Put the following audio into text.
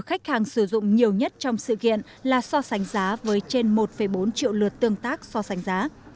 khách hàng sử dụng nhiều nhất trong sự kiện là so sánh giá với trên một bốn triệu lượt tương tác so sánh giá